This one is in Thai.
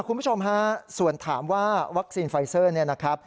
คุณผู้ชมส่วนถามว่าวัคซีนไฟซอร์